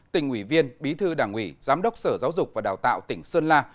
tỉnh ủy viên bí thư đảng ủy giám đốc sở giáo dục và đào tạo tỉnh sơn la